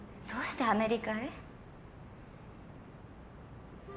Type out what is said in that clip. どうしてアメリカへ？